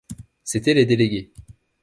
C’étaient les délégués.